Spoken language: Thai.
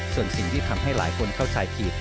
ส่วนสิ่งที่ทำให้หลายคนเข้าใจผิด